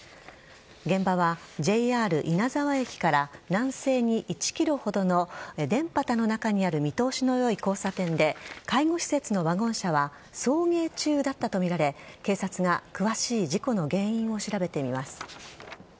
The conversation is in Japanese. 現場はＪＲ稲沢駅から南西に１ｋｍほどの田畑の中にある見通しの良い交差点で介護施設のワゴン車は送迎中だったとみられ警察が詳しい事故の原因を調べています。